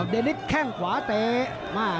เดลลิลิ้ดแข่งขวาเตะ